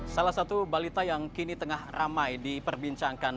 salah satu balita yang kini tengah ramai diperbincangkan